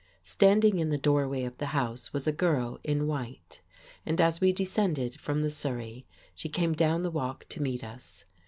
Standing in the doorway of the house was a girl in white, and as we descended from the surrey she came down the walk to meet us.